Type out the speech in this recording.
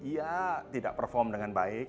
ya tidak perform dengan baik